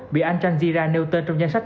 bị antanzira nêu tên trong danh sách